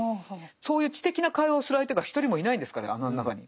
そういう知的な会話をする相手が一人もいないんですから穴の中に。